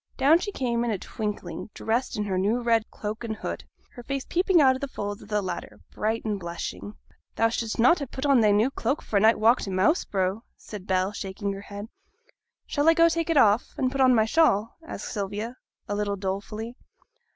Down she came in a twinkling, dressed in her new red cloak and hood, her face peeping out of the folds of the latter, bright and blushing. 'Thou should'st na' ha' put on thy new cloak for a night walk to Moss Brow,' said Bell, shaking her head. 'Shall I go take it off, and put on my shawl?' asked Sylvia, a little dolefully.